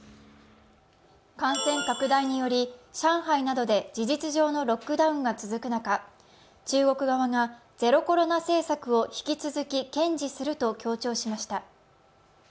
感染拡大により上海などで事実上のロックダウンが続く中、中国側がゼロコロナ政策を引き続き堅持すると強調しました。